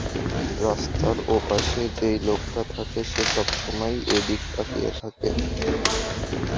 রাস্তার ওপাশে যেই লোকটা থাকে সে সবসময় এদিকে তাকিয়ে থাকে।